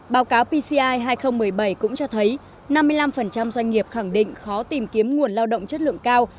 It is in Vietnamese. báo cáo pci hai nghìn một mươi bảy cũng cho thấy năm mươi năm doanh nghiệp khẳng định khó tìm kiếm nguồn lao động chất lượng cao